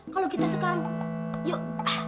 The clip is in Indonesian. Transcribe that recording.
kalo kita sekarang yuk